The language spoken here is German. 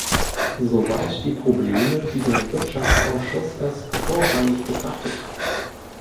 Soweit die Probleme, die der Wirtschaftsausschuss als vorrangig betrachtet.